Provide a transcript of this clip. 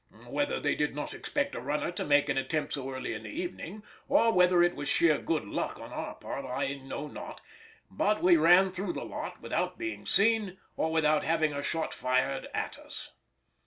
Whether they did not expect a runner to make an attempt so early in the evening, or whether it was sheer good luck on our part, I know not, but we ran through the lot without being seen or without having a shot fired at us.